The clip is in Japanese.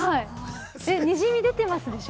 にじみ出てますでしょ？